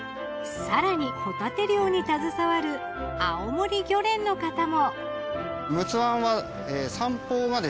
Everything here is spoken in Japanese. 更にホタテ漁に携わる青森漁連の方も。